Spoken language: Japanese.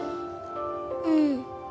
うん。